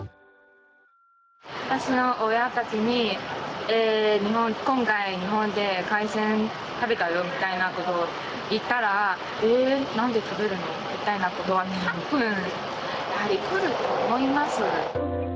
私の親たちに、今回、日本で海鮮食べたよみたいなことを言ったら、えー、なんで食べるの？みたいなことは、たぶん来ると思います。